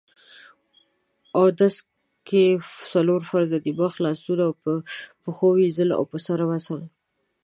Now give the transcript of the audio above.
اودس کې څلور فرض دي: مخ، لاسونو او پښو مينځل او په سر مسح